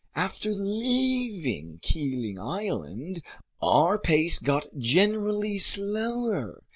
After leaving Keeling Island, our pace got generally slower.